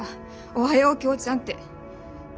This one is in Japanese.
「おはようキョーちゃん」って。